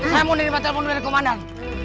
saya mau menerima telepon dari komandan